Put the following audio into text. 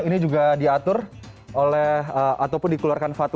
ini juga diatur oleh ataupun dikeluarkan fatwa